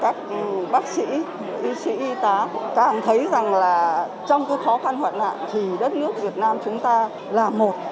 các bác sĩ y sĩ y tá càng thấy rằng là trong cái khó khăn hoạn nạn thì đất nước việt nam chúng ta là một